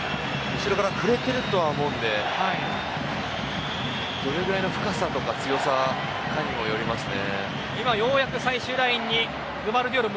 後ろから触れてると思うのでどれぐらいの深さ、強さかにもよりますね。